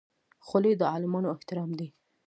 خولۍ د عالمانو احترام دی.